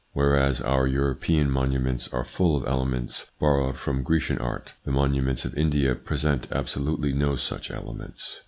Whereas our European monuments are full of elements borrowed from Grecian art, the monuments of India present absolutely no such elements.